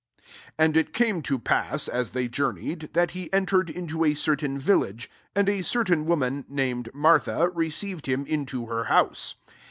38 And it came to pass, as they journeyed, that he entered into a certain village: and a certain woman, named Martha, received him into her house.